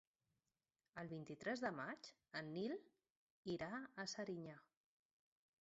El vint-i-tres de maig en Nil irà a Serinyà.